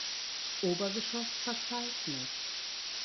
Obergeschoss verzeichnet.